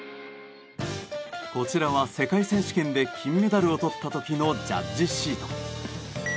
こちらは世界選手権で金メダルをとった時のジャッジシート。